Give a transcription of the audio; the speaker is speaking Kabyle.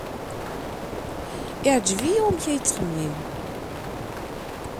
Yeɛjeb-iyi wamek ay yettxemmim.